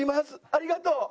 ありがとう！